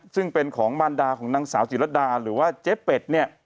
ซึ่งเป็นของมารดาของนางสาวจิรดาหรือว่าเจ๊เป็ดเนี่ย